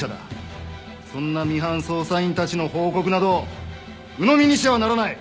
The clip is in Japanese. そんなミハン捜査員たちの報告などうのみにしてはならない。